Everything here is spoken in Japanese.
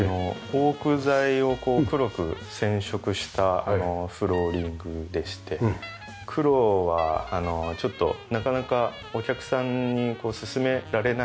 オーク材を黒く染色したフローリングでして黒はちょっとなかなかお客さんに勧められない